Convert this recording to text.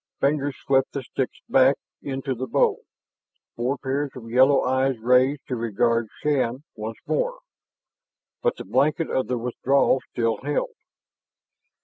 Fingers swept the sticks back into the bowl; four pairs of yellow eyes raised to regard Shann once more, but the blanket of their withdrawal still held.